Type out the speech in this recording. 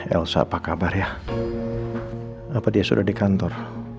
elsa apa kabar ya apa dia sudah di kantor